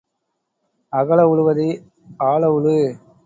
அகல உழுவதை ஆழ உழு,